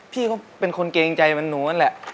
พี่ก็เป็นคนเกรงใจมันหนูนั่นแหละ